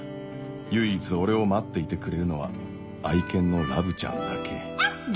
唯一俺を待っていてくれるのは愛犬のラブちゃんだけ